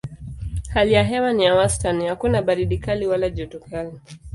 Hali ya hewa ni ya wastani: hakuna baridi kali wala joto kali.